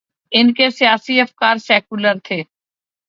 ان کے سیاسی افکار سیکولر تھے۔